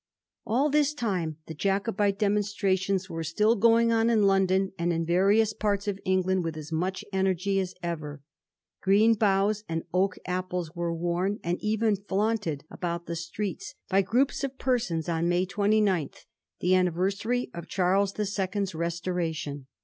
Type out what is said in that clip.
All this time the Jacobite demonstrations were still going on in London and in various parts of England with as much energy as ever. Green boughs and oak apples were worn, and even flaunted, about the streets, by groups of persons on May 29, the anni versary of Charles the Second's restoration.